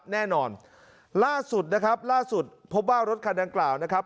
แน่นอนล่าสุดนะครับล่าสุดพบว่ารถคันดังกล่าวนะครับ